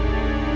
aku mau kemana